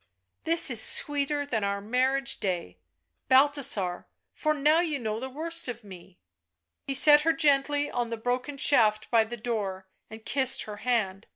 " This is sweeter than our marriage day, Balthasar, for now you know the worst of me " He set her gently on the broken shaft by the door and kissed her hand.